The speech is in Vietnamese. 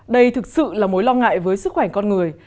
đây thực sự là mối lo ngại với sức khỏe con người